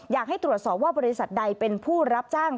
อยากให้ตรวจสอบว่าบริษัทใดเป็นผู้รับจ้าง